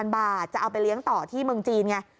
บาทจะเอาไปเลี้ยงต่อที่เมืองจีนไง